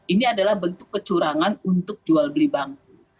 ini adalah bentuk kecurangan untuk jual beli bangku